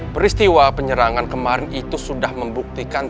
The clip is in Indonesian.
peristiwa penyerangan kemarin itu sudah membuktikan